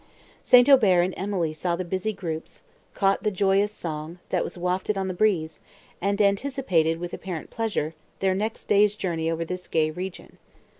St. Aubert and Emily saw the busy groups, caught the joyous song, that was wafted on the breeze, and anticipated, with apparent pleasure, their next day's journey over this gay region.